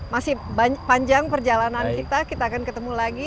masih panjang perjalanan kita kita akan ketemu lagi